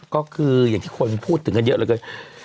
ก็คืออย่างที่คนพูดถึงกันเยอะมากเลย